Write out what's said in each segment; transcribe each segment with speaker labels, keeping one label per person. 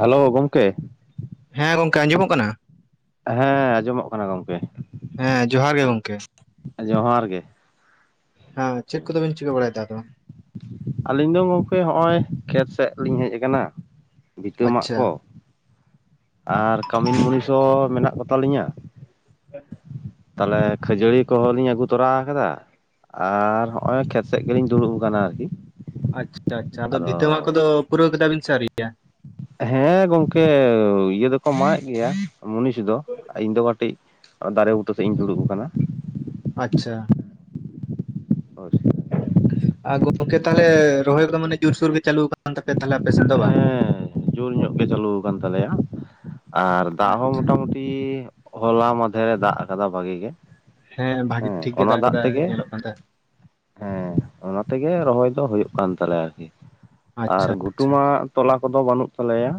Speaker 1: Hello ᱜᱚᱢᱠᱮ
Speaker 2: ᱦᱮᱸ ᱜᱚᱝᱠᱮ ᱟᱸᱡᱚᱢᱚᱜ ᱠᱟᱱᱟ
Speaker 1: ᱦᱮᱸ ᱟᱸᱡᱚᱢᱚᱜ ᱠᱟᱱᱟ ᱜᱚᱝᱠᱮ
Speaker 2: ᱦᱮᱸ ᱡᱚᱦᱟᱨ ᱜᱮ ᱜᱚᱝᱠᱮ
Speaker 1: ᱡᱚᱦᱟᱨ ᱜᱮ
Speaker 2: ᱦᱮᱸ ᱪᱮᱫ ᱠᱚᱫᱚ ᱵᱤᱱ ᱪᱤᱠᱟᱹ ᱵᱟᱲᱟᱭᱮᱫᱟ ᱟᱫᱚ
Speaker 1: ᱟᱹᱞᱤᱧ ᱫᱚ ᱜᱚᱝᱠᱮ ᱦᱚᱸᱜᱼᱚᱭ ᱠᱷᱮᱛ ᱥᱮᱫ ᱞᱤᱧ ᱦᱮᱡ ᱟᱠᱟᱱᱟ ᱵᱤᱛᱟᱹ ᱢᱟᱜ
Speaker 2: ᱟᱪᱪᱷᱟ
Speaker 1: ᱠᱚ ᱟᱨ ᱠᱟᱹᱢᱤᱱ ᱢᱩᱱᱤᱥ ᱦᱚᱸ ᱢᱮᱱᱟᱜ ᱠᱚᱛᱟᱞᱤᱧᱟ
Speaker 2: ᱦᱮᱸ
Speaker 1: ᱛᱟᱦᱚᱞᱮ ᱠᱷᱟᱹᱡᱟᱹᱲᱤ ᱠᱚᱦᱚᱸ ᱞᱤᱧ ᱟᱹᱜᱩ ᱛᱚᱨᱟ ᱟᱠᱟᱫᱟ ᱟᱨ ᱦᱚᱸᱜ ᱚᱭ ᱠᱷᱮᱛ ᱥᱮᱫ ᱜᱮᱞᱤᱧ ᱫᱩᱲᱩᱵ ᱟᱠᱟᱱᱟ ᱟᱨᱠᱤ
Speaker 2: ᱟᱪᱪᱷᱟ ᱟᱪᱪᱷᱟ ᱟᱫᱚ ᱵᱷᱤᱛᱟᱹᱣᱟ ᱠᱚᱫᱚ ᱯᱩᱨᱟᱹᱣ ᱠᱮᱫᱟ ᱵᱤᱱ ᱥᱮ ᱟᱹᱨᱤᱜᱤᱭᱟ
Speaker 1: ᱦᱮᱸ ᱜᱚᱝᱠᱮ ᱤᱭᱟᱹ ᱫᱚᱠᱚ ᱢᱟᱜᱮᱫ ᱜᱮᱭᱟ ᱢᱩᱱᱤᱥ ᱫᱚ ᱤᱧ ᱫᱚ ᱠᱟᱹᱴᱤᱡ ᱫᱟᱨᱮ ᱵᱩᱴᱟᱹ ᱥᱮᱫ ᱤᱧ ᱫᱩᱲᱩᱵ ᱟᱠᱟᱱᱟ
Speaker 2: ᱟᱪᱪᱷᱟ
Speaker 1: ᱦ ᱥᱮ
Speaker 2: ᱟᱨ ᱜᱚᱝᱠᱮ ᱛᱟᱦᱞᱮ ᱨᱚᱦᱚᱭ ᱠᱚᱫᱚ ᱢᱟᱱᱮ ᱡᱳᱨᱥᱳᱨ ᱜᱮ ᱪᱟᱹᱞᱩ ᱠᱟᱱ ᱛᱟᱯᱮᱭᱟ ᱛᱟᱦᱞᱮ ᱟᱯᱮᱥᱮᱱ ᱫᱚ ᱵᱟᱝ
Speaker 1: ᱦᱮᱸ ᱡᱳᱨ ᱧᱚᱜ ᱜᱮ ᱪᱟᱹᱞᱩ ᱠᱟᱱ ᱛᱟᱞᱮᱭᱟ ᱟᱨ ᱫᱟᱜ ᱦᱚᱸ
Speaker 2: ᱟᱪᱪᱷᱟ
Speaker 1: ᱢᱚᱴᱟᱢᱩᱴᱤ ᱴᱤ ᱦᱚᱞᱟ ᱢᱟᱚᱫᱷᱮᱨ ᱫᱟᱜ ᱟᱠᱟᱫᱟ ᱵᱷᱟᱜᱤ ᱜᱮ
Speaker 2: ᱦᱮᱸ ᱵᱷᱟᱜᱤ ᱴᱷᱤᱠ ᱜᱮ ᱫᱟᱜ ᱠᱮᱫᱟᱭ ᱧᱮᱞᱚᱜ ᱠᱟᱱ ᱛᱟᱦᱮᱸ
Speaker 1: ᱦᱮᱸ ᱚᱱᱟᱛᱮᱜᱮ ᱨᱚᱦᱚᱭ ᱫᱚ ᱦᱩᱭᱩᱜ ᱠᱟᱱ ᱛᱟᱞᱮᱭᱟ ᱟᱨᱠᱤ ᱟᱨ
Speaker 2: ᱟᱪᱪᱷᱟ
Speaker 1: ᱜᱷᱩᱴᱩ
Speaker 2: ᱟᱪᱪᱷᱟ
Speaker 1: ᱢᱟᱜ ᱛᱚᱞᱟ ᱠᱚᱫᱚ ᱵᱟᱹᱱᱩᱜ ᱛᱟᱞᱮᱭᱟ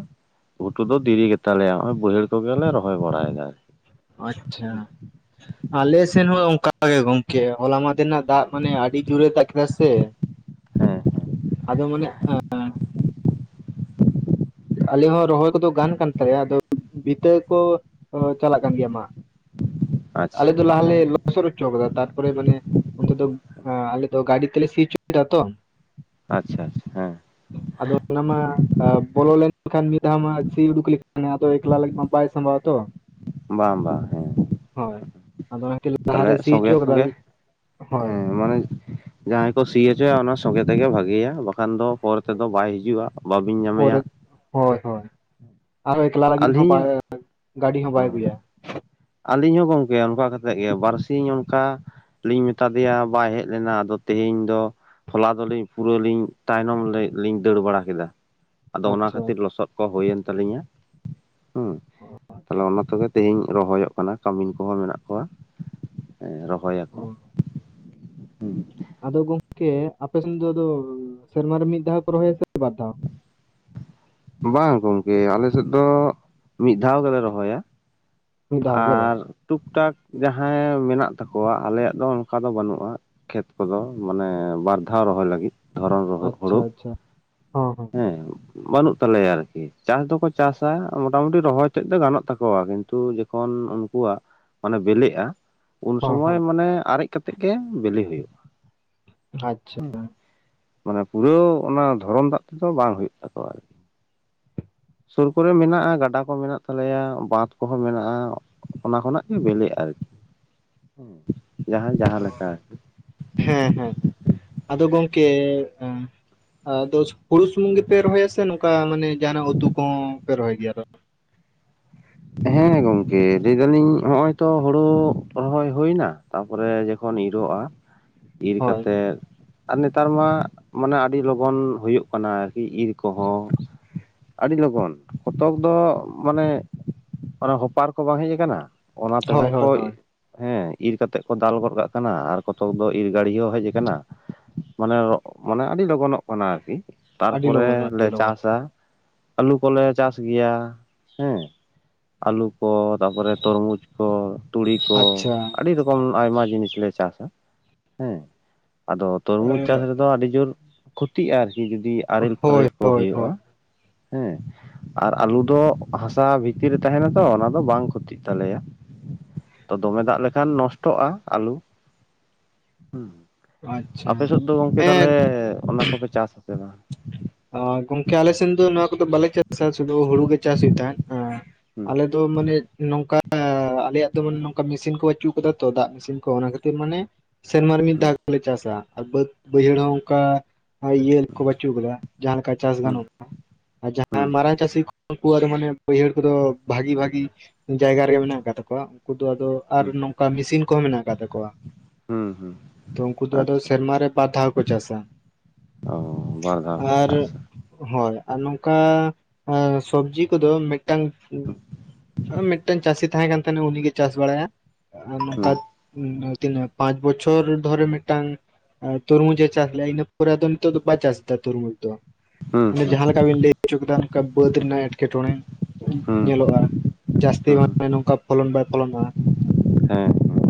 Speaker 1: ᱜᱷᱩᱴᱩ ᱫᱚ ᱫᱮᱨᱤ ᱜᱮᱛᱟᱞᱮᱭᱟ ᱱᱚᱜᱼᱚᱭ ᱵᱟᱹᱭᱦᱟᱹᱲ ᱠᱚᱜᱮᱞᱮ ᱨᱚᱦᱚᱭ ᱵᱟᱲᱟᱭᱮᱫᱟ
Speaker 2: ᱟᱪᱪᱷᱟ ᱟᱞᱮ ᱥᱮᱱ ᱦᱚᱸ ᱚᱱᱠ ᱜᱮ ᱜᱚᱝᱠᱮ ᱦᱚᱞᱟ ᱢᱟ ᱨᱮᱱᱟᱜ ᱫᱟᱜ ᱢᱟᱱᱮ ᱟᱹᱰᱤ ᱡᱳᱨᱮ ᱫᱟᱜ ᱠᱮᱫᱟ ᱥᱮ
Speaker 1: ᱦᱮᱸ
Speaker 2: ᱟᱫᱚ ᱢᱟᱱᱮ ᱟᱞᱮ ᱦᱚᱸ ᱨᱚᱦᱚᱭ ᱠᱚᱫᱚ ᱜᱟᱱ ᱠᱟᱱ ᱛᱟᱞᱮᱭᱟ ᱟᱫᱚ ᱵᱤᱛᱟᱹ ᱠᱚ ᱪᱟᱞᱟᱜ ᱠᱟᱱ ᱜᱮᱭᱟ ᱢᱟᱜ ᱟᱞᱮ
Speaker 1: ᱟᱪᱪᱷᱟ
Speaker 2: ᱫᱚ ᱞᱟᱦᱟᱞᱮ
Speaker 1: ᱦᱮᱸ
Speaker 2: ᱵᱚᱨ ᱪ ᱫᱫᱟ ᱛᱟᱨᱯᱚᱨ ᱢᱟᱱ ᱚᱱᱛᱮ ᱫᱚ ᱟᱞᱮ ᱫᱚ ᱜᱟᱹᱰᱤ ᱛᱮᱞᱮ ᱥᱩᱭᱪᱚᱭ ᱫᱟ ᱛᱚ
Speaker 1: ᱟᱪᱪᱷᱟ ᱟᱪᱪᱷᱟ ᱦᱮᱸ
Speaker 2: ᱟᱫᱚ ᱚᱱᱟᱢᱟ ᱵᱚᱞᱚ ᱞᱮᱱᱠᱷᱟᱱ ᱢᱤᱫ ᱫᱷᱟᱣ ᱢᱟ ᱥᱤ ᱩᱰᱩᱠ ᱞᱮᱠᱷᱟᱱ ᱟᱫᱚ ᱮᱠᱞᱟ ᱢᱟ ᱵᱟᱭ ᱥᱟᱢᱵᱟᱣᱟᱛᱚ
Speaker 1: ᱵᱟᱝ ᱵᱟᱝ ᱦᱮᱸ
Speaker 2: ᱦᱳᱭ ᱟᱫᱚ ᱚᱱᱟᱠᱤ
Speaker 1: ᱛᱟᱦᱚᱞᱮ
Speaker 2: ᱞᱟᱦᱟᱨᱮ ᱥᱤ
Speaker 1: ᱥᱚᱸᱜᱮ
Speaker 2: ᱦᱚᱪᱚ ᱠᱟᱜᱟᱭ
Speaker 1: ᱥᱚᱸᱜᱮ
Speaker 2: ᱦᱳᱭ
Speaker 1: ᱦᱮᱸ ᱢᱟᱱᱮ ᱡᱟᱦᱟᱸᱭ ᱠᱚ ᱥᱤ ᱦᱚᱪᱚᱭᱟ ᱚᱱᱟ ᱥᱚᱸᱜᱮ ᱛᱮᱜᱮ ᱵᱷᱟᱹᱜᱮᱤᱭᱟ ᱵᱟᱠᱷᱟᱱ ᱫᱚ ᱯᱚᱨ ᱛᱮᱫᱚ ᱵᱟᱭ ᱦᱤᱡᱩᱜᱼᱟ ᱵᱵᱤᱱ ᱧᱟᱢᱮᱭᱟ
Speaker 2: ᱯᱚᱨᱮ ᱦᱳᱭ ᱦᱳᱭ ᱟᱨᱦᱚᱸ ᱮᱠᱞᱟ ᱞᱟᱹᱜᱤᱫ ᱦᱚᱸ ᱵᱟᱭ
Speaker 1: ᱟᱹᱞᱤᱧ
Speaker 2: ᱜᱟᱹᱰᱤ ᱦᱚᱸ ᱵᱟᱭ ᱟᱹᱜᱩᱭᱟ
Speaker 1: ᱟᱹᱞᱤᱧ ᱦᱚᱸ ᱜᱚᱝᱠᱮᱭᱟ ᱚᱱᱠᱟ ᱠᱟᱛᱮᱫ ᱜᱮ ᱵᱟᱨ ᱥᱤᱧ ᱚᱱᱠᱟ ᱞᱤᱧ ᱢᱮᱛᱟ ᱫᱮᱭᱟ ᱵᱟᱭ ᱦᱮᱡ ᱞᱮᱱᱟ ᱟᱫᱚ ᱛᱮᱦᱮᱧ ᱫᱚ ᱦᱚᱞᱟ ᱫᱚᱞᱤᱧ ᱯᱩᱨᱟᱹ ᱞᱤᱧ ᱛᱟᱭᱱᱚᱢ ᱞᱤᱧ ᱫᱟᱹᱲ ᱵᱟᱲᱟ ᱠᱮᱫᱟ ᱟᱫᱚ ᱚᱱᱟ
Speaker 2: ᱟᱪᱪᱷᱟ
Speaker 1: ᱠᱷᱟᱹᱛᱤᱨ ᱞᱚᱥᱚᱫ ᱠᱚ ᱦᱩᱭᱮᱱ ᱛᱟᱹᱟᱞᱤᱧᱟ ᱦᱮᱸ ᱛᱟᱦᱞᱮ ᱚᱱᱟ ᱛᱮᱜᱮ ᱛᱮᱦᱤᱧ ᱨᱚᱦᱚᱭᱚᱜ ᱠᱟᱱᱟ ᱠᱟᱹᱢᱤᱱ ᱠᱚᱦᱚᱸ ᱢᱮᱱᱟᱜ ᱠᱚᱣᱟ ᱦᱮᱸ
Speaker 2: ᱚ,
Speaker 1: ᱨᱚᱦᱚᱭᱟᱠᱚ
Speaker 2: ᱟᱫᱚ ᱜᱚᱝᱠᱮ ᱟᱯᱮᱥᱱ ᱫᱚ ᱥᱮᱨᱢᱟᱨ ᱨᱮ ᱢᱤᱫ ᱫᱷᱟᱣ ᱠᱚᱮ ᱨᱚᱦᱚᱭᱟ ᱥᱮ ᱵᱟᱨ ᱫᱷᱟᱣ
Speaker 1: ᱵᱟᱝ ᱜᱚᱝᱠᱮ ᱟᱞᱮ ᱥᱮᱫ ᱫᱚ ᱢᱤᱫ ᱫᱷᱟᱣ ᱜᱮᱞᱮ ᱨᱚᱦᱚᱭᱟ
Speaker 2: ᱢᱤᱫ ᱫᱷᱟᱣ ᱜᱮ ᱵᱟᱝ
Speaker 1: ᱟᱨ ᱴᱩᱠ ᱴᱟᱠ ᱡᱟᱦᱟᱸᱭ ᱢᱮᱱᱟᱜ ᱛᱟᱠᱚᱣᱟ ᱟᱞᱮᱭᱟᱜ ᱫᱚ ᱚᱱᱠᱟ ᱫᱚ ᱵᱟᱹᱱᱩᱜᱼᱟ ᱠᱷᱮᱛ ᱠᱚᱫᱚ ᱢᱟᱱᱮ ᱵᱟᱨ ᱫᱷᱟᱣ ᱨᱚᱦᱚᱭ ᱞᱟᱹᱜᱤᱫ ᱫᱷᱚᱨᱚᱱ [inaudible] [inaudible]
Speaker 2: ᱟᱪᱪᱷᱟ
Speaker 1: ᱦᱩᱲᱩ
Speaker 2: ᱟᱪᱪᱷᱟ ᱦᱚᱸ ᱦᱚᱸ
Speaker 1: ᱦᱮᱸ ᱵᱟᱹᱱᱩᱜ ᱛᱟᱞᱮᱭᱟ ᱟᱨᱠᱤ ᱪᱟᱥ ᱫᱚᱠᱚ ᱪᱟᱥᱟ ᱢᱚᱴᱟᱢᱩᱴᱤ ᱨᱚᱦᱚᱭ ᱛᱮᱫ ᱫᱚ ᱜᱟᱱᱚᱜ ᱛᱟᱠᱚᱣᱟ ᱠᱤᱱᱛᱩ ᱩᱱᱠᱩᱣᱟᱜ ᱢᱟᱱᱮ ᱵᱮᱞᱮᱜᱼᱟ ᱩᱱ
Speaker 2: ᱦᱚᱸ
Speaker 1: ᱥᱚᱢᱚᱭ
Speaker 2: ᱦᱚᱸ
Speaker 1: ᱢᱟᱱᱮ ᱟᱨᱮᱡ ᱠᱟᱛᱮ ᱛᱮᱠᱮ ᱵᱤᱞᱤ ᱦᱩᱭᱩᱜᱼᱟ
Speaker 2: ᱟᱪᱪᱷᱟ
Speaker 1: ᱢᱟᱱᱮ ᱯᱩᱨᱟᱹ ᱚᱱᱟ ᱫᱷᱚᱨᱚᱱ ᱫᱟᱜ ᱛᱮᱫᱚ ᱵᱟᱝ ᱦᱩᱭᱩᱜ ᱛᱟᱠᱚᱣᱟ ᱟᱨᱠᱤ ᱥᱩᱨ ᱠᱚᱨᱮ ᱢᱮᱱᱟᱜᱼᱟ ᱜᱟᱰᱟ ᱠᱚ ᱢᱮᱱᱟᱜ ᱛᱟᱞᱮᱭᱟ ᱵᱟᱸᱫᱷ ᱠᱚᱦᱚᱸ ᱢᱮᱱᱟᱜᱼᱟ ᱚᱱᱟ ᱠᱷᱚᱱᱟᱜ ᱜᱮ ᱵᱮᱞᱮᱜᱼᱟ ᱟᱨᱠᱤ ᱦᱩ ᱡᱟᱦᱟᱸᱭ ᱡᱟᱦᱟᱸᱞᱮᱠᱟᱠᱤ
Speaker 2: ᱦᱮᱸ ᱦᱮᱸ ᱟᱫᱚ ᱜᱚᱝᱠᱮ ᱟᱫᱚ ᱦᱩᱲᱩ ᱥᱩᱢᱩᱝ ᱜᱮᱯᱮ ᱨᱚᱦᱚᱭᱟ ᱥᱮ ᱱᱚᱝᱠᱟ ᱢᱟᱱᱮ ᱡᱟᱦᱟᱱᱟᱜ ᱩᱛᱩ ᱠᱚᱦᱚᱸ ᱯᱮ ᱨᱚᱦᱚᱭ ᱜᱮᱭᱟ
Speaker 1: ᱦᱮᱸ ᱜᱚᱝᱠᱮ ᱞᱟᱹᱭᱫᱟᱞᱤᱧ ᱱᱚᱜ ᱚᱚᱭ ᱛᱚ ᱦᱩᱲᱩ ᱨᱚᱦᱚᱭ ᱦᱩᱭ ᱮᱱᱟ ᱛᱟᱯᱚᱨᱮ ᱡᱚᱠᱷᱚᱱ ᱤᱨᱚᱜᱼᱟ ᱤᱨ
Speaker 2: ᱦᱳᱭ
Speaker 1: ᱠᱟᱛᱮᱜ ᱟᱨ ᱱᱮᱛᱟᱨ ᱢᱟ ᱢᱟᱱᱮ ᱟᱹᱰᱤ ᱞᱚᱜᱚᱱ ᱦᱩᱭᱩᱜ ᱠᱟᱱᱟ ᱟᱨᱠᱤ ᱤᱨ ᱠᱚᱦᱚᱸ ᱟᱹᱰᱤ ᱞᱚᱜᱚᱱ ᱠᱚᱛᱚᱠ ᱫᱚ ᱢᱟᱱᱮ ᱚᱱᱟᱮ ᱦᱚᱯᱟᱨ ᱠᱚ ᱵᱟᱝ ᱦᱮᱡ ᱟᱠᱟᱱᱟ ᱚᱱᱟ
Speaker 2: ᱦᱳᱭ
Speaker 1: ᱛᱮᱦᱚᱸ ᱠᱚ
Speaker 2: ᱦᱳᱭ ᱦᱳᱭ
Speaker 1: ᱦᱮᱸ ᱤᱨ ᱠᱟᱛᱮᱜ ᱠᱚ ᱫᱟᱞ ᱜᱚᱫ ᱠᱟᱜ ᱠᱟᱱᱟ ᱟᱨ ᱠᱚᱛᱚᱠ ᱫᱚ ᱤᱨ ᱜᱟᱹᱲᱤ ᱦᱚᱸ ᱦᱮᱡ ᱟᱠᱟᱱᱟ ᱢᱟᱱᱮ ᱢᱟᱱᱮ ᱟᱹᱰᱤ ᱞᱚᱜᱚᱱᱚᱜ ᱠᱟᱱᱟ ᱟᱨᱠᱤ
Speaker 2: ᱟᱹᱰᱤ
Speaker 1: ᱛᱟᱨᱯᱚᱨᱮ
Speaker 2: ᱞᱚᱜᱚᱱ
Speaker 1: ᱞᱮ
Speaker 2: ᱟᱹᱰᱤ ᱞᱚᱜᱚᱱ
Speaker 1: ᱪᱟᱥᱟ ᱟᱹᱞᱩ ᱠᱚᱞᱮ ᱪᱟᱥ ᱜᱮᱭᱟ ᱦᱮᱸ ᱟᱹᱞᱩ ᱠᱚ ᱛᱟᱯᱚᱨᱮ ᱛᱚᱨᱢᱩᱡᱽ ᱠᱚ ᱛᱩᱲᱤ
Speaker 2: ᱟᱪᱪᱷᱟ
Speaker 1: ᱯᱷᱚᱞ ᱟᱭᱢᱟ ᱡᱤᱱᱤᱥ ᱞᱮ ᱪᱟᱥᱟ ᱦᱮᱸ ᱟᱫᱚ ᱛᱩᱨᱢᱩ ᱪᱟᱥ
Speaker 2: ᱮ,
Speaker 1: ᱨᱮᱫᱚ ᱟᱹᱰᱤ ᱡᱳᱨ ᱠᱷᱚᱛᱤᱜᱼᱟ ᱟᱨᱠᱤ ᱡᱩᱫᱤ ᱟᱨᱮᱞ
Speaker 2: ᱦᱳᱭ
Speaker 1: ᱯᱷᱟᱨᱮᱞ
Speaker 2: ᱦᱳᱭ
Speaker 1: ᱦᱩᱭᱩᱜᱼᱟ
Speaker 2: ᱦᱳᱭ
Speaker 1: ᱦᱮᱸ ᱟᱨ ᱟᱞᱩ ᱫᱚ ᱦᱟᱥᱟ ᱵᱷᱤᱛ ᱛᱤᱨ ᱨᱮ ᱛᱟᱦᱮᱱᱟ ᱛᱚ ᱚᱱᱟ ᱫᱚ ᱵᱟᱝ ᱠᱷᱚᱛᱤᱜ ᱛᱟᱞᱮᱭᱟ ᱛᱚ ᱫᱚᱢᱮ ᱫᱟᱜ ᱞᱮᱠᱷᱟᱱ ᱱᱚᱥᱴᱚᱜᱼᱟ ᱟᱞᱩ ᱦᱮᱸ
Speaker 2: ᱟᱪᱪᱷᱟ
Speaker 1: ᱟᱯᱮ ᱥᱮᱫ ᱫᱚ ᱜᱚᱝᱠᱮ ᱛᱟᱦᱞᱮ
Speaker 2: ᱦᱮᱸ
Speaker 1: ᱚᱱᱟ ᱠᱚᱯᱮ ᱪᱟᱥᱟᱥᱮ ᱠᱟᱝ
Speaker 2: ᱜᱚᱝᱠᱮ ᱟᱞᱮ ᱥᱮᱱ ᱫᱚ ᱱᱚᱣᱟ ᱠᱚᱫᱚ ᱵᱟᱞᱮ ᱪᱟᱥᱟ ᱥᱩᱫᱩ ᱦᱩᱲᱩ ᱜᱮ ᱪᱟᱥ ᱦᱩᱭᱩᱜ ᱛᱟᱦᱮᱸᱫ
Speaker 1: ᱦᱩᱸ
Speaker 2: ᱟᱞᱮ ᱛᱚ ᱢᱟᱱᱮ ᱱᱚᱝᱠᱟ ᱟᱞᱮᱭᱟᱜ ᱫᱚ ᱢᱟᱱᱮ ᱱᱚᱝᱠᱟ ᱢᱮᱥᱤᱱ ᱠᱚ ᱠᱟᱹᱪᱩᱜ ᱟᱠᱟᱫᱟ ᱛᱚ ᱫᱟᱜ ᱢᱮᱥᱤᱱ ᱠᱚ ᱚᱱᱟ ᱠᱷᱟᱹᱛᱤᱨ ᱢᱟᱱᱮ ᱥᱮᱨᱢᱟᱟᱨ ᱢᱤᱫ
Speaker 1: ᱦᱩᱸ
Speaker 2: ᱫᱷᱟᱣ ᱜᱮᱞᱮ ᱪᱟᱥᱟ ᱟᱨ ᱵᱟᱹᱫ ᱵᱟᱹᱭᱦᱟᱹᱲ ᱦᱚᱸ ᱚᱱᱠᱟ ᱤᱭᱟᱹ ᱠᱚ ᱵᱟᱪᱩᱜ ᱠᱟᱫᱟ ᱡᱟᱦᱟᱸ ᱞᱮᱠᱟ ᱪᱟᱥ
Speaker 1: ᱦᱩᱸ
Speaker 2: ᱜᱟᱱᱚᱜᱼᱟ ᱟᱨ ᱡᱟᱦᱟᱸ
Speaker 1: ᱦᱩᱸ
Speaker 2: ᱢᱟᱨᱟᱝ ᱪᱟᱹᱥᱤ ᱠᱚ ᱩᱱᱠᱩᱣᱟᱜᱫᱚ ᱢᱟᱱᱮ ᱵᱟᱹᱭᱦᱟᱹᱲ ᱠᱚᱫᱚ ᱵᱷᱟᱜᱤ ᱵᱷᱟᱜᱤ ᱡᱟᱭᱜᱟ ᱨᱮᱜᱮ ᱢᱮᱱᱟᱜ ᱟᱠᱟᱫ ᱛᱟᱠᱚᱣᱟ ᱩᱱᱠᱩ ᱫᱚ ᱟᱫᱚ ᱟᱨ
Speaker 1: ᱦᱩᱸ
Speaker 2: ᱱᱚᱝᱠᱟ ᱢᱮᱥᱤᱱ ᱠᱚᱦᱚᱸ ᱢᱮᱱᱟᱜ ᱟᱠᱟᱫ ᱛᱟᱠᱚᱣᱟ
Speaker 1: ᱦᱩᱸ ᱦᱩᱸ
Speaker 2: ᱛᱚ ᱩᱱᱠᱩ ᱫᱚ ᱟᱫᱚ
Speaker 1: ᱟᱪᱪᱷᱟ
Speaker 2: ᱥᱮᱨᱢᱟᱨ ᱨᱮ ᱵᱟᱨ ᱫᱷᱟᱣ ᱠᱚ ᱪᱟᱥᱟ
Speaker 1: ᱚ ᱵᱟᱨ ᱫᱷᱟᱣ ᱠᱚ
Speaker 2: ᱟᱨ
Speaker 1: ᱪᱟᱥᱟ
Speaker 2: ᱦᱳᱭ ᱟᱨ ᱱᱚᱝᱠᱟ ᱥᱚᱵᱡᱤ ᱠᱚᱫᱚ ᱢᱤᱫᱴᱟᱝ
Speaker 1: ᱦᱩᱸ
Speaker 2: ᱢᱤᱫᱴᱮᱱ ᱪᱟᱹᱥᱤ ᱛᱟᱦᱮᱸᱟᱸ ᱠᱟᱱ ᱛᱟᱦᱮᱱᱟ ᱩᱱᱤᱜᱮ ᱪᱟᱥ ᱵᱟᱲᱟᱭᱟ ᱱᱚᱝᱠᱟ
Speaker 1: ᱦᱩᱸ
Speaker 2: ᱛᱱᱟᱜ ᱯᱟᱸᱪ ᱵᱚᱪᱷᱚᱨ ᱫᱷᱚᱨᱮ ᱢᱤᱫᱴᱟᱝ ᱛᱩᱨᱢᱩᱡ ᱡᱮ ᱪᱟᱥ ᱞᱮᱟ ᱤᱱᱟ ᱯᱚᱨᱮ ᱟᱫᱚ ᱱᱤᱛᱚᱜ ᱫᱚ ᱵᱟᱭ ᱪᱟᱥ ᱮᱫᱟ ᱛᱩᱨᱢᱩᱡ ᱫᱚ ᱚᱱᱮ
Speaker 1: ᱦᱩᱸ
Speaker 2: ᱡᱟᱦᱟᱸ ᱞᱮᱠᱟ ᱵᱤᱱ ᱞᱟᱹᱭ ᱦᱚᱪᱚ ᱠᱮᱫᱟ ᱱᱚᱝᱠᱟ ᱵᱟᱹᱫ ᱨᱮᱱᱟᱜ ᱮᱴᱠᱮᱴᱚᱬᱮ
Speaker 1: ᱦᱩᱸ
Speaker 2: ᱧᱮᱞᱚᱜᱼᱟ ᱡᱟᱹᱥᱛᱤ
Speaker 1: ᱦᱩᱸ
Speaker 2: ᱢᱟᱱᱮ ᱱᱚᱝᱠᱟ ᱯᱷᱚᱞᱚᱱ ᱵᱟᱭ ᱯᱷᱚᱞᱚᱱᱚᱜᱼᱟ
Speaker 1: ᱦᱮᱸ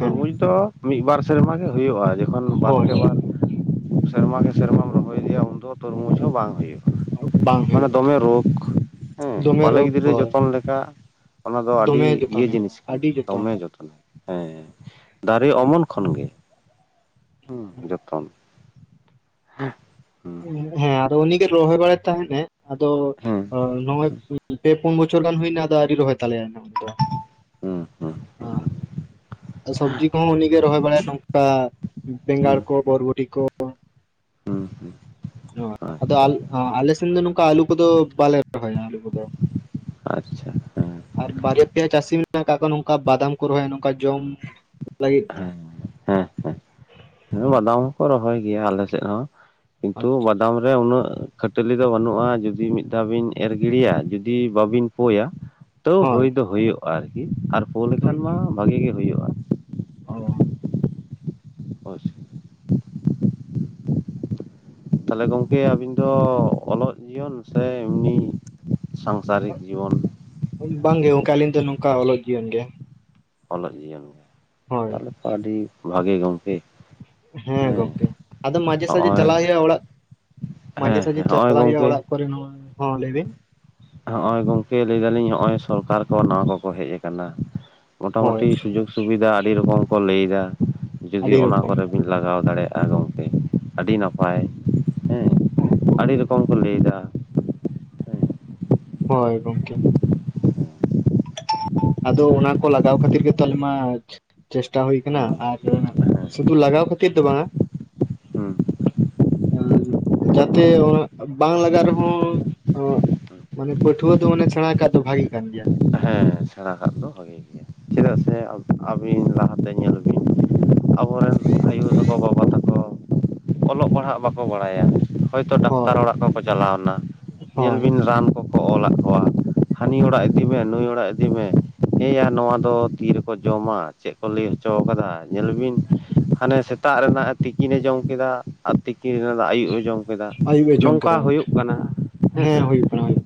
Speaker 2: ᱦᱮᱸ
Speaker 1: ᱫᱚ ᱢᱤᱫ ᱵᱟᱨ ᱥᱮᱨᱢᱟ ᱜᱮ ᱦᱩᱭᱩᱜᱼᱟ ᱡᱚᱠᱷᱚᱱ
Speaker 2: ᱦᱳᱭ
Speaker 1: ᱵᱟᱨᱠᱮ
Speaker 2: ᱦᱳᱭ
Speaker 1: ᱵᱟᱨ ᱥᱮᱨᱢ ᱜᱮ ᱥᱮᱨᱢᱟᱢ ᱨᱚᱦᱚᱭ ᱤᱫᱤᱭᱟ ᱩᱱᱫᱚ ᱛᱚᱨᱢᱩᱡᱽ ᱦᱚᱸ ᱵᱟᱝ ᱦᱳᱭᱼᱟ
Speaker 2: ᱵᱟᱝ
Speaker 1: ᱢᱟᱱᱮ
Speaker 2: ᱦᱩᱭᱩᱜᱼᱟ
Speaker 1: ᱫᱚᱢᱮ ᱨᱳᱜᱽ ᱦᱮᱸ
Speaker 2: ᱫᱚᱢᱮ
Speaker 1: ᱵᱟᱞᱮ
Speaker 2: ᱨᱳᱜᱽ
Speaker 1: ᱜᱤᱫᱽᱨᱟᱹ
Speaker 2: ᱦᱳᱭ
Speaker 1: ᱡᱚᱛᱚᱱ ᱞᱮᱠᱟ ᱚᱱᱟ ᱫᱚ ᱟᱹᱰᱤ
Speaker 2: ᱫᱚᱢᱮ ᱡᱚᱛᱚᱱ
Speaker 1: ᱤᱭᱟᱹ
Speaker 2: ᱦᱩᱭᱩᱜᱼᱟ
Speaker 1: ᱡᱤᱱᱤᱥ ᱠᱟᱱᱟ
Speaker 2: ᱟᱹᱰᱤ ᱡᱚᱛᱚᱱ
Speaker 1: ᱫᱚᱢᱮ ᱡᱚᱛᱚᱱᱟ ᱦᱮᱸ ᱫᱟᱨᱮ ᱚᱢᱚᱱ ᱠᱷᱚᱱ ᱜᱮ ᱦᱩᱸ ᱡᱚᱛᱚᱱ ᱦᱩᱸ
Speaker 2: ᱦᱮᱸ ᱟᱫᱚ ᱩᱱᱤ ᱜᱮᱮ ᱨᱚᱦᱚᱭ ᱵᱟᱲᱟᱭ ᱛᱟᱦᱮᱱᱟ ᱟᱫᱚ
Speaker 1: ᱦᱩᱸ
Speaker 2: ᱱᱚᱜᱼᱚᱭ ᱯᱮ ᱯᱩᱱ ᱵᱚᱪᱷᱚᱨ ᱜᱟᱱ ᱦᱩᱭᱱᱟ ᱟᱫᱚ ᱟᱹᱣᱨᱤ ᱨᱚᱦᱚᱭ ᱛᱟᱞᱮᱭᱟ ᱫᱚ
Speaker 1: ᱦᱩᱸ ᱦᱩᱸ
Speaker 2: ᱥᱚᱵᱽᱡᱤ ᱠᱚᱦᱚᱸ ᱩᱱᱤᱜᱮ ᱨᱚᱦᱚᱭ ᱵᱟᱲᱟᱭᱟ ᱱᱚᱝᱠᱟ ᱵᱮᱸᱜᱟᱲ ᱠᱚ ᱵᱚᱨᱵᱚᱴᱤ ᱠᱚ
Speaker 1: [unintelligible] ᱩᱜ᱾
Speaker 2: [unintelligible] ᱟᱫᱚ ᱟ ᱟᱞᱮ ᱥᱮᱱ ᱫᱚ ᱱᱚᱝᱠᱟ ᱟᱹᱞᱩ ᱠᱚᱫᱚ ᱵᱟᱞᱮ ᱨᱚᱦᱚᱭᱟ ᱟᱹᱞᱩ ᱠᱚᱫᱚ᱾
Speaker 1: ᱟᱪᱪᱷᱟ ᱦᱮᱸ
Speaker 2: ᱟᱨ ᱵᱟᱨᱭᱟ ᱯᱮᱭᱟ ᱪᱟᱥᱤᱢ- ᱱᱟᱜ ᱠᱟᱜ ᱠᱚᱣᱟ ᱱᱚᱝᱠᱟ ᱵᱟᱫᱟᱢ ᱠᱚ ᱨᱚᱦᱚᱭᱟ ᱱᱚᱝᱠᱟ ᱡᱚᱢ ᱞᱟᱹᱜᱤᱫ᱾
Speaker 1: ᱚᱸ ᱵᱟᱫᱟᱢ ᱦᱚᱸᱠᱚ ᱨᱚᱦᱚᱭ ᱜᱮᱭᱟ ᱟᱞᱮ ᱥᱮᱜ ᱦᱚᱸ ᱠᱤᱱᱛᱩ
Speaker 2: ᱟᱪᱪᱷᱟ
Speaker 1: ᱵᱟᱫᱟᱢ- ᱨᱮ ᱩᱱᱟᱹᱜ ᱠᱷᱟᱹᱴᱟᱹᱞᱤ ᱫᱚ ᱵᱟᱹᱱᱩᱜᱼᱟ ᱡᱩᱫᱤ ᱢᱤᱫ ᱫᱷᱟᱣ ᱵᱤᱱ ᱮᱨ ᱜᱤᱲᱤᱭᱟ ᱡᱩᱫᱤ ᱵᱟᱵᱤᱱ ᱯᱳᱭᱟ- ᱛᱟᱹᱣ ᱦᱩᱭ ᱫᱚ ᱦᱩᱭᱩᱜᱼᱟ ᱟᱨᱠᱤ ᱟᱨ ᱯᱳ ᱞᱮᱠᱷᱟᱱ ᱢᱟ ᱵᱷᱟᱹᱜᱤ ᱜᱮ ᱦᱩᱭᱩᱜᱼᱟ᱾
Speaker 2: ᱳ᱾
Speaker 1: ᱦᱳᱭᱥᱮ ᱛᱟᱦᱞᱮ ᱜᱚᱝᱠᱮ ᱟᱵᱤᱱ ᱫᱚ ᱚᱞᱚᱜ ᱡᱤᱭᱚᱱ ᱥᱮ ᱮᱢᱱᱤ᱾ ᱥᱟᱝᱥᱟᱨᱤᱠ ᱡᱤᱵᱚᱱ᱾
Speaker 2: ᱵᱟᱝ ᱜᱮ ᱚᱝᱠᱟ ᱟᱹᱞᱤᱧ ᱫᱚ ᱱᱚᱝᱠᱟ ᱟᱞᱚ ᱡᱤᱭᱚᱱ ᱜᱮ᱾
Speaker 1: ᱚᱞᱚᱜ ᱡᱤᱭᱚᱱ ᱜᱮ
Speaker 2: ᱦᱳᱭ
Speaker 1: ᱛᱟᱦᱞᱮ ᱟᱹᱰᱤ ᱵᱷᱟᱜᱮ ᱜᱚᱝᱠᱮ᱾
Speaker 2: ᱦᱮᱸ ᱜᱚᱝᱠᱮ ᱟᱫᱚ ᱢᱟᱡᱷᱮ ᱥᱟᱡᱷᱮ
Speaker 1: ᱦᱚᱜᱼᱚᱭ
Speaker 2: ᱪᱟᱞᱟᱜ ᱦᱩᱭᱩᱜᱼᱟ ᱚᱲᱟᱜ ᱢᱟᱡᱷᱮ
Speaker 1: ᱦᱮᱸ
Speaker 2: ᱥᱟᱡᱷᱮ
Speaker 1: ᱦᱮᱸ ᱦᱚᱜᱼᱚᱭ
Speaker 2: ᱪᱟᱞᱟᱜ ᱦᱩᱭᱩᱜᱼᱟ
Speaker 1: ᱜᱚᱝᱠᱮ
Speaker 2: ᱚᱲᱟᱜ᱾ ᱠᱚᱨᱮ ᱱᱚ-ᱚᱭ ᱦᱚᱸ ᱞᱟᱹᱭ ᱵᱤᱱ᱾
Speaker 1: ᱦᱚᱜ ᱚᱭ ᱜᱚᱝᱠᱮ ᱞᱟᱹᱭ ᱫᱟᱞᱤᱧ ᱦᱚᱜ ᱚᱭ ᱥᱚᱨᱠᱟᱨ ᱠᱚ ᱱᱟᱣᱟ ᱠᱚᱠᱚ ᱦᱮᱡ ᱟᱠᱟᱱᱟ᱾ ᱢᱚᱴᱟ
Speaker 2: ᱦᱳᱭ
Speaker 1: ᱢᱩᱴᱤ ᱥᱩᱡᱳᱠ ᱥᱩᱵᱤᱫᱟ ᱟᱹᱰᱤ ᱨᱚᱠᱚᱢ ᱠᱚ ᱞᱟᱹᱭ ᱫᱟ ᱡᱩᱫᱤ
Speaker 2: ᱟᱹᱰᱤ
Speaker 1: ᱚᱱᱟ
Speaker 2: ᱨᱚᱠᱚᱢ
Speaker 1: ᱠᱚᱨᱮᱢ- ᱵᱤᱱ ᱞᱟᱜᱟᱣ ᱫᱟᱲᱮᱭᱟᱜᱼᱟ ᱜᱚᱝᱠᱮ ᱟᱹᱰᱤ ᱱᱟᱯᱟᱭ- ᱦᱮᱸ ᱟᱹᱰᱤ ᱨᱚᱠᱚᱢ ᱠᱚ ᱞᱟᱹᱭ ᱫᱟ᱾
Speaker 2: ᱦᱳᱭ ᱜᱚᱝᱠᱮ᱾ ᱟᱫᱚ ᱚᱱᱟ ᱠᱚ ᱞᱟᱜᱟᱣ ᱠᱷᱟᱹᱛᱤᱨ ᱜᱮ ᱛᱚ ᱟᱞᱤᱢ ᱢᱟ- ᱪᱮᱥᱴᱟ ᱦᱩᱭ ᱠᱟᱱᱟ
Speaker 1: ᱦᱩᱸ
Speaker 2: ᱟᱨ
Speaker 1: ᱦᱮᱸ
Speaker 2: ᱥᱩᱫᱷᱩ ᱞᱟᱜᱟᱣ ᱠᱷᱟᱹᱛᱤᱨ ᱫᱚ ᱵᱟᱝᱼᱟ᱾
Speaker 1: ᱦᱩᱸ
Speaker 2: ᱡᱟᱛᱮ ᱚᱜ ᱵᱟᱝ ᱞᱟᱜᱟᱜ ᱨᱮᱦᱚᱸ ᱚᱜ- ᱢᱟᱱᱮ ᱯᱟᱹᱴᱷᱩᱣᱟᱹ ᱫᱚ ᱢᱟᱱᱮ ᱥᱮᱬᱟ ᱠᱟᱫ ᱫᱚ ᱵᱷᱟᱹᱜᱤ ᱠᱟᱱ ᱜᱮᱭᱟ᱾
Speaker 1: ᱦᱮᱸ ᱥᱮᱬᱟ ᱠᱟᱜ ᱫᱚ ᱵᱷᱟᱜᱮ ᱜᱮ᱾ ᱪᱮᱫᱟᱜ ᱥᱮ ᱟᱵ ᱟᱹᱵᱤᱱ ᱞᱟᱦᱟ ᱛᱮ ᱧᱮᱞ ᱵᱤᱱ ᱟᱵᱚ ᱨᱮᱱ ᱟᱭᱩᱨ ᱜᱚᱜᱚᱼᱵᱟᱵᱟ ᱛᱟᱠᱚ- ᱚᱞᱚᱜ ᱯᱟᱲᱦᱟᱜ ᱵᱟᱠᱚ ᱵᱟᱲᱟᱭᱟ᱾ ᱦᱚᱭᱛᱚ ᱰᱟᱠᱛᱟᱨ
Speaker 2: ᱦᱳᱭ
Speaker 1: ᱚᱲᱟᱜ ᱠᱚᱠᱚ ᱪᱟᱞᱟᱣᱱᱟ ᱧᱮᱞ
Speaker 2: ᱦᱳᱭ
Speaker 1: ᱵᱤᱱ ᱨᱟᱱ ᱠᱚ- ᱠᱚ ᱚᱞᱟᱜ ᱠᱚᱣᱟ ᱦᱟᱹᱱᱤ ᱚᱲᱟᱜ ᱤᱫᱤᱭ ᱢᱮ ᱱᱩᱭ ᱚᱲᱟᱜ ᱤᱫᱤᱭ ᱢᱮ᱾ ᱦᱮᱸᱭᱟ ᱱᱚᱣᱟ ᱫᱚ ᱛᱤ ᱨᱮᱠᱚ ᱡᱚᱢᱟ ᱪᱮᱫ ᱠᱚ ᱞᱟᱹᱭ ᱦᱚᱪᱚ ᱟᱠᱟᱫᱟ ᱧᱮᱞ ᱵᱤᱱ᱾ ᱦᱟᱱᱮ ᱥᱮᱛᱟᱜ ᱨᱮᱱᱟᱜ ᱛᱤᱠᱤᱱᱮ ᱡᱚᱢ ᱠᱮᱫᱟ ᱟᱨ ᱛᱤᱠᱤᱱ ᱨᱟᱹ- ᱫᱟᱜ ᱟᱹᱭᱩᱵ ᱮ ᱡᱚᱢ ᱠᱮᱫᱟ
Speaker 2: ᱟᱭᱩᱵ ᱮ ᱡᱚᱢ
Speaker 1: ᱱᱚᱝᱠᱟ
Speaker 2: ᱠᱮᱫᱟ
Speaker 1: ᱦᱩᱭᱩᱜ ᱠᱟᱱᱟ ᱦᱮᱸ ᱥᱮ᱾
Speaker 2: ᱦᱩᱭᱩᱜ ᱠᱟᱱᱟ ᱦᱩᱭᱩᱜ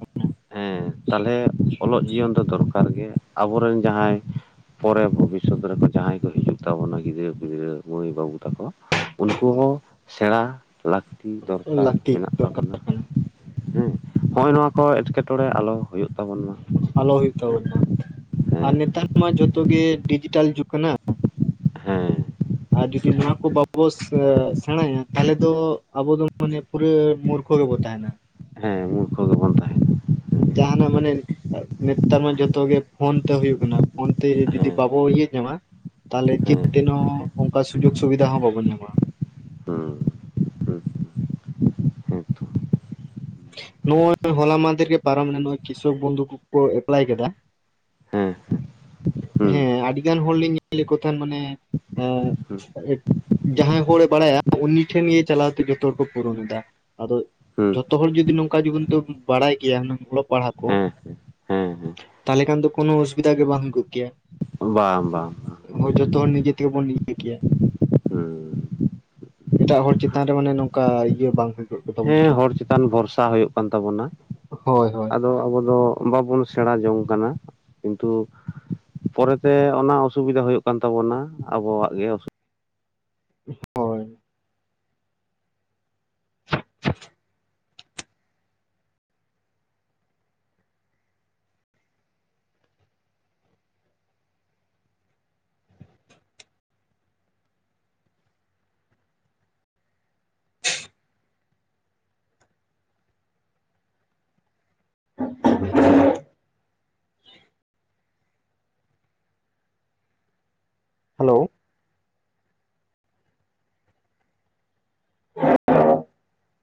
Speaker 1: ᱦᱮᱸ ᱛᱟᱦᱞᱮ ᱚᱞᱚᱜ ᱡᱤᱭᱚᱱ ᱫᱚ ᱫᱚᱨᱠᱟᱨ ᱜᱮ ᱟᱵᱚ ᱨᱮᱱ ᱡᱟᱦᱟᱸᱭ- ᱯᱚᱨᱮ ᱵᱷᱚᱵᱤᱥᱚᱛ ᱨᱮᱠᱚ ᱡᱟᱦᱟᱸᱭ ᱠᱚ ᱦᱤᱡᱩᱜ ᱛᱟᱵᱚᱱᱟ ᱜᱤᱫᱽᱨᱟᱹ ᱯᱤᱫᱽᱨᱟᱹ ᱢᱟᱹᱭ ᱵᱟᱹᱵᱩ ᱛᱟᱠᱚ᱾ ᱩᱱᱠᱩ ᱦᱚᱸ ᱥᱮᱬᱟ ᱞᱟᱹᱠᱛᱤ
Speaker 2: ᱠᱟᱱᱟ
Speaker 1: ᱫᱚᱨᱠᱟᱨ
Speaker 2: ᱞᱟᱹᱠᱛᱤ
Speaker 1: ᱢᱮᱱᱟᱜ
Speaker 2: ᱫᱚᱨᱠᱟᱨ
Speaker 1: ᱛᱟᱵᱚᱱᱟ᱾
Speaker 2: ᱠᱟᱱᱟ
Speaker 1: ᱦᱮᱸ ᱦᱚᱸᱜᱼᱚᱭ ᱱᱚᱣᱟ ᱠᱚ ᱮᱴᱠᱮᱴᱚᱬᱮ ᱟᱞᱚ ᱦᱩᱭᱩᱜ ᱛᱟᱵᱚᱱ ᱢᱟ᱾
Speaker 2: ᱟᱞᱚ ᱦᱩᱭᱩᱜ
Speaker 1: ᱦᱮᱸ
Speaker 2: ᱛᱟᱵᱚᱱᱟ ᱟᱨ
Speaker 1: ᱦᱮᱸ
Speaker 2: ᱱᱮᱛᱟᱨ ᱢᱟ ᱡᱷᱚᱛᱚ ᱜᱮ ᱰᱤᱡᱤᱴᱟᱞ ᱡᱩᱜᱽ ᱠᱟᱱᱟ᱾
Speaker 1: ᱦᱮᱸ᱾
Speaker 2: ᱟᱨ ᱡᱩᱫᱤ ᱱᱚᱣᱟ ᱠᱚ ᱵᱟ ᱵᱚ ᱥᱮ- ᱥᱮᱬᱟᱭᱟ ᱛᱟᱦᱮᱞᱮ ᱫᱚ ᱟᱵᱚ ᱫᱚ ᱢᱟᱱᱮ ᱯᱩᱨᱟᱹ ᱢᱩᱨᱠᱷᱚ ᱜᱮᱵᱚ ᱛᱟᱦᱮᱱᱟ᱾
Speaker 1: ᱦᱮᱸ ᱢᱩᱨᱠᱷᱚ ᱜᱮᱵᱚᱱ ᱛᱟᱦᱮᱸᱱᱟ᱾
Speaker 2: ᱡᱟᱦᱟᱱᱟᱜ ᱢᱟᱱᱮ- ᱱᱮᱛᱟᱨ ᱢᱟ ᱡᱚᱛᱚ ᱜᱮ ᱯᱷᱳᱱ ᱛᱮ ᱦᱩᱭᱩᱜ ᱠᱟᱱᱟ ᱯᱷᱳᱱ ᱛᱮ ᱡᱚ ᱡᱩᱫᱤ
Speaker 1: ᱦᱮᱸ
Speaker 2: ᱵᱟᱵᱚ ᱤᱭᱟᱹ ᱧᱟᱢᱟ- ᱛᱟᱦᱮᱞᱮ ᱪᱮᱫ
Speaker 1: ᱦᱮᱸ
Speaker 2: ᱛᱮᱱ ᱦᱚᱸ ᱚᱝᱠᱟ ᱥᱩᱡᱳᱜᱽ ᱥᱩᱵᱤᱫᱷᱟ ᱦᱚᱸ ᱵᱟᱵᱚᱱ ᱧᱟᱢᱟ᱾
Speaker 1: [unintelligible] ᱦᱩᱸ᱾ ᱦᱮᱸ ᱛᱚ
Speaker 2: ᱱᱚᱜ-ᱚᱭ ᱦᱚᱞᱟ ᱢᱟᱫᱷᱮᱨ ᱜᱮ ᱯᱟᱨᱚᱢᱱᱟ ᱱᱚᱜ-ᱚᱭ ᱠᱤᱥᱚᱠ ᱵᱚᱱᱫᱷᱩ ᱠᱚ ᱠᱚ ᱮᱯᱞᱟᱭ ᱠᱮᱫᱟ᱾
Speaker 1: ᱦᱮᱸ ᱦᱮᱸ᱾
Speaker 2: ᱦᱮᱸ ᱟᱹᱰᱤ ᱜᱟᱱ ᱦᱚᱲ ᱞᱤᱧ ᱧᱮᱞᱮᱫ ᱠᱚ ᱛᱟᱦᱮᱱ ᱢᱟᱱᱮ
Speaker 1: ᱦᱩᱸ
Speaker 2: ᱮ- ᱡᱟᱦᱟᱸᱭ ᱦᱚᱲᱮ ᱵᱟᱲᱟᱭᱟ ᱩᱱᱤ ᱴᱷᱮᱱ ᱜᱮ ᱪᱟᱞᱟᱣ ᱛᱮ ᱡᱚᱛᱚ ᱦᱚᱲ ᱠᱚ ᱯᱩᱨᱩᱱ ᱮᱫᱟ ᱟᱫᱚ-
Speaker 1: ᱦᱩᱸ
Speaker 2: ᱡᱚᱛᱚ ᱦᱚᱲ ᱡᱩᱫᱤ ᱱᱚᱝᱠᱟ ᱡᱮ ᱠᱤᱱᱛᱩ ᱵᱚᱱ ᱵᱟᱲᱟᱭ ᱜᱤᱭᱟ ᱦᱩᱱᱟᱹᱝ ᱚᱞᱚᱜ ᱯᱟᱲᱦᱟᱜ ᱠᱚ
Speaker 1: ᱦᱮᱸ ᱦᱮᱸ ᱦᱮᱸ
Speaker 2: ᱛᱟᱦᱚᱞᱮ ᱠᱷᱟᱱ ᱫᱚ ᱠᱳᱱᱳ ᱚᱥᱩᱵᱤᱫᱟ ᱜᱮ ᱵᱟᱢ ᱩᱫᱩᱜ ᱠᱮᱭᱟ᱾
Speaker 1: ᱵᱟᱝ ᱵᱟᱝ᱾
Speaker 2: ᱦᱳᱭ ᱡᱚᱛᱚ ᱦᱚᱲ ᱱᱤᱡᱮ ᱛᱮᱜᱮ ᱵᱚᱱ ᱤᱭᱟᱹ ᱠᱮᱭᱟ᱾
Speaker 1: ᱦᱩᱸ
Speaker 2: ᱮᱴᱟᱜ ᱦᱚᱲ ᱪᱮᱛᱟᱱ ᱨᱮ ᱢᱟᱱᱮ ᱱᱚᱝᱠᱟ ᱤᱭᱟᱹ ᱵᱟᱝ ᱦᱩᱭ ᱠᱚᱜ᱾ ᱛᱟᱵᱚᱱ
Speaker 1: ᱦᱮᱸ
Speaker 2: ᱠᱮᱭᱟ
Speaker 1: ᱦᱚᱲ ᱪᱮᱛᱟᱱ ᱵᱷᱚᱨᱥᱟ ᱦᱩᱭᱩᱜ ᱠᱟᱱ ᱛᱟᱵᱚᱱᱟ,
Speaker 2: ᱦᱳᱭ ᱦᱳᱭ
Speaker 1: ᱟᱫᱚ ᱟᱵᱩ ᱫᱚ ᱵᱟᱵᱚᱱ ᱥᱮᱬᱟ ᱡᱚᱝ ᱠᱟᱱᱟ᱾ ᱠᱤᱱᱛᱩ ᱯᱚᱨᱮᱛᱮ ᱚᱱᱟ ᱚᱥᱩᱵᱤᱫᱟ ᱦᱩᱭᱩᱜ ᱠᱟᱱ ᱛᱟᱵᱚᱱᱟ ᱟᱵᱚᱣᱟᱜ ᱜᱮ ᱚᱥ
Speaker 2: ᱦᱳᱭ᱾ ᱦᱟᱞᱳ᱾